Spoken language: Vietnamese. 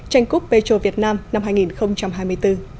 tranh cúp pê chô việt nam năm hai nghìn hai mươi bốn